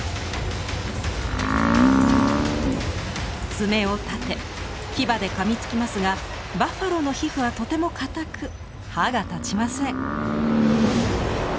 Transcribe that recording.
爪を立て牙でかみつきますがバッファローの皮膚はとても硬く歯が立ちません。